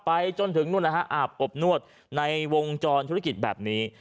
ไปจนถึงนู่นนะฮะอาบอบนวดในวงจรธุรกิจแบบนี้